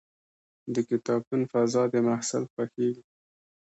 د کتابتون فضا د محصل خوښېږي.